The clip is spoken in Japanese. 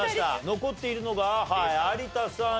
残っているのが有田さん